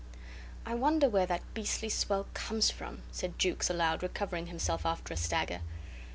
"I wonder where that beastly swell comes from," said Jukes aloud, recovering himself after a stagger.